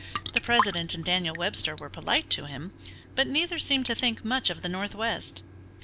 The President and Daniel Webster were polite to him, but neither seemed to think much of the northwest.